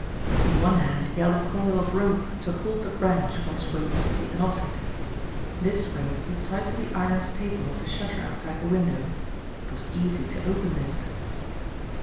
In one hand he held a coil of rope to hold the branch when his weight was taken off it. This rope he tied to the iron staple of the shutter outside the window. It was easy to open this.